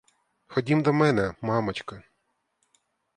Ходім до мене, мамочко.